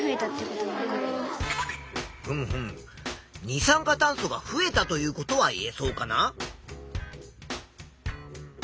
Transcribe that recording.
二酸化炭素が増えたということは言えそうかな。